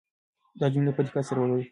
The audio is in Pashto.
دا جملې په دقت سره ولولئ.